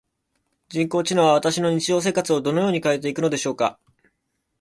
人工知能は私の日常生活をどのように変えていくのでしょうか？